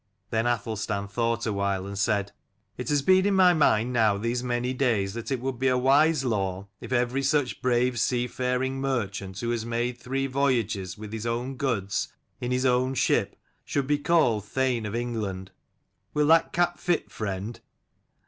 Then Athelstan thought awhile and said " It has been in my mind now these many days that it would be a wise law, if every such brave seafaring merchant who has made three voyages with his own goods in his own ship, should be called Thane of England. Will that cap fit, friend?"